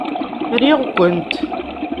Riɣ-kent.